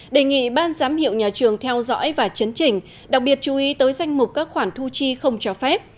đề nghị ban giám hiệu nhà trường theo dõi và chấn trình đặc biệt chú ý tới danh mục các khoản thu chi không cho phép